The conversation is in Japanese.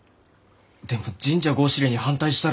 でも神社合祀令に反対したら。